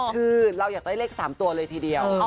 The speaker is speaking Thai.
คือเราอยากได้เลข๓ตัวเลยทีเดียว